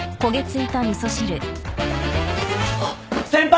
あっ先輩！